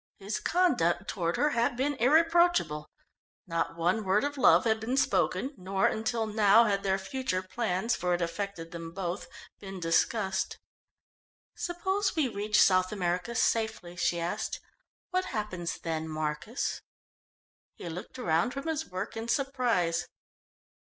His conduct toward her had been irreproachable. Not one word of love had been spoken, nor, until now, had their future plans, for it affected them both, been discussed. "Suppose we reach South America safely?" she asked. "What happens then, Marcus?" He looked round from his work in surprise.